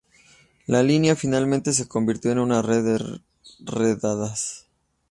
La línea finalmente se convirtió en una red de radares.